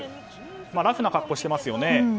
ラフな格好をしていますよね。